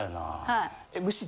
はい。